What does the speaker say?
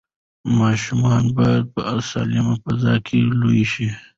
ماشومان باید په سالمه فضا کې لوی شي.